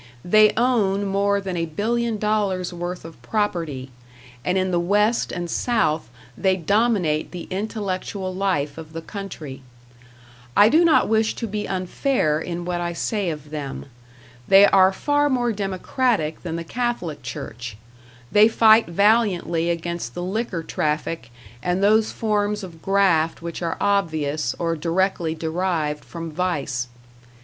They own more than a billion dollars' worth of property, and in the West and South they dominate the intellectual life of the country. I do not wish to be unfair in what I say of them. They are far more democratic than the Catholic Church; they fight valiantly against the liquor traffic and those forms of graft which are obvious, or directly derived from vice.